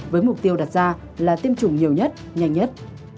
với mục tiêu đặt ra là tiêm chủng nhiều nhất nhanh nhất